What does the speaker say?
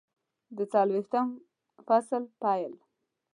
د څلویښتم فصل پیل